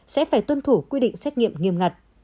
sẽ phải tuân thủ quy định xét nghiệm nghiêm ngặt